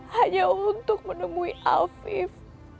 hanya untuk menemui alvif